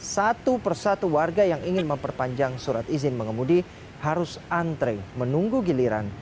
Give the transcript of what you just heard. satu persatu warga yang ingin memperpanjang surat izin mengemudi harus antre menunggu giliran